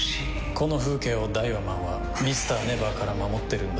この風景をダイワマンはＭｒ．ＮＥＶＥＲから守ってるんだ。